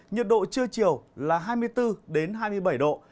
nhiệt độ trưa chiều là hai mươi bốn hai mươi bảy độ